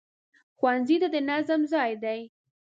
ښوونځی د نظم ځای دی